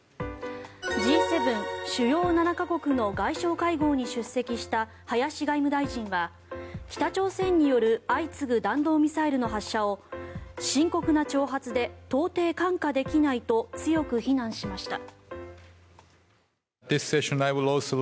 Ｇ７・主要７か国の外相会合に出席した林外務大臣は北朝鮮による相次ぐ弾道ミサイルの発射を深刻な挑発で到底看過できないと強く非難しました。